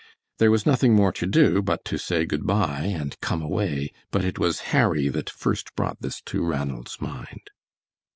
There was nothing more to do, but to say good by and come away, but it was Harry that first brought this to Ranald's mind.